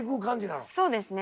そうですね。